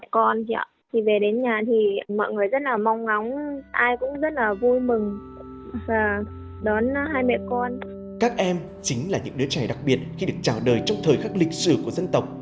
các em chính là những đứa trẻ đặc biệt khi được chào đời trong thời khắc lịch sử của dân tộc